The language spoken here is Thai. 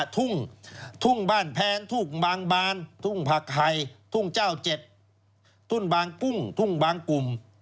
ทุ่งทุ่งบ้านแพนทุ่งบางบานทุ่งผักไห่ทุ่งเจ้า๗ทุ่นบางกุ้งทุ่งบางกลุ่ม